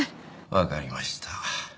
わかりました。